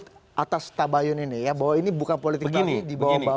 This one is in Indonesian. tidak dicabut atas tabayun ini ya bahwa ini bukan politik praktis dibawa bawa